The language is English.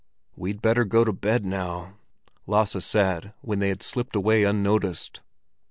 "We'd better go to bed now," Lasse said, when they had slipped away unnoticed.